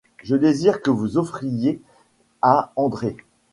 je désire que vous offriez à André…